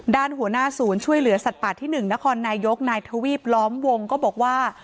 ด้านหัวหน้าศูนย์ช่วยเหลือสัตว์ป่าที่๑นครนายกนายทวีปล้อมวงก็บอกว่า